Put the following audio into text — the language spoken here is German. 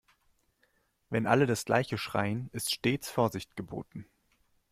Wenn alle das gleiche schreien, ist stets Vorsicht geboten.